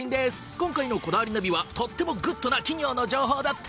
今回の『こだわりナビ』はとってもグッドな企業の情報だって！